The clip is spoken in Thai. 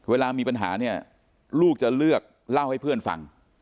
เวลามีปัญหาเนี่ยลูกจะเลือกเล่าให้เพื่อนฟัง